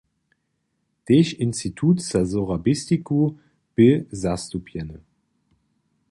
Tež Institut za sorabistiku bě zastupjeny.